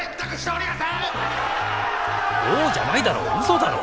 「おお！」じゃないだろ。